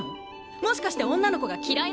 もしかして女の子が嫌いなの？